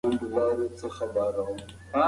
د کلا دروازه خلاصه پاتې وه.